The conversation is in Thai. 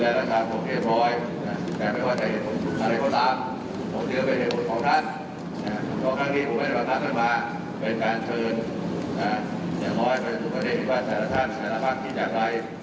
อย่างง่อยเป็นทุกประเด็นอีกบ้านแต่ละท่านแต่ละภาพที่จะไป